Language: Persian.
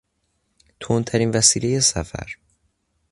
تندترین وسیلهی سفر